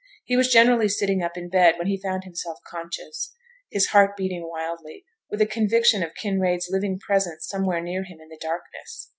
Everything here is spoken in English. He was generally sitting up in bed when he found himself conscious, his heart beating wildly, with a conviction of Kinraid's living presence somewhere near him in the darkness.